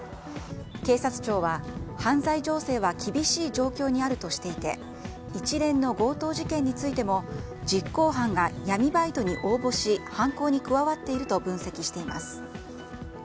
警察庁は犯罪情勢は厳しい状況にあるとしていて一連の強盗事件についても実行犯が闇バイトに応募し犯行に加わっていると分析しています。